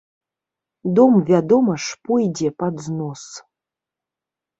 Дом, вядома ж, пойдзе пад знос.